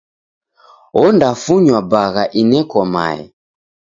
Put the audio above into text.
Ondafunywa bagha ineko mae.